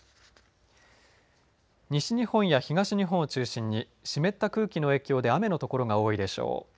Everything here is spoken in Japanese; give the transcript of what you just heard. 西日本や東日本を中心に湿った空気の影響で雨の所が多いでしょう。